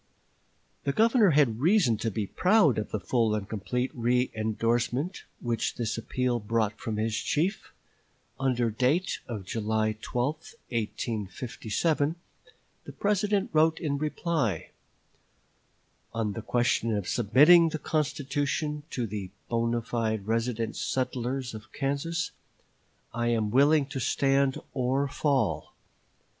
" The Governor had reason to be proud of the full and complete reëndorsement which this appeal brought from his chief. Under date of July 12, 1857, the President wrote in reply: "On the question of submitting the constitution to the bonâ fide resident settlers of Kansas I am willing to stand or fall.